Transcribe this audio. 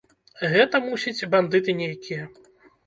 Гэта, мусіць, бандыты нейкія.